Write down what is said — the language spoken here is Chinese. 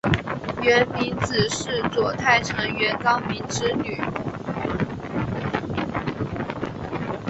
源明子是左大臣源高明之女。